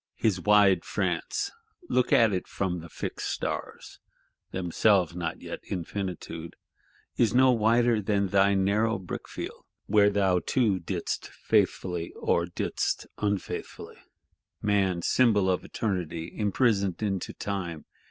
His wide France, look at it from the Fixed Stars (themselves not yet Infinitude), is no wider than thy narrow brickfield, where thou too didst faithfully, or didst unfaithfully. Man, "Symbol of Eternity imprisoned into Time!"